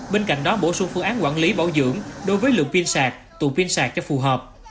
bên cạnh đó bổ sung phương án quản lý bảo dưỡng đối với lượng pin sạc tù pin sạc cho phù hợp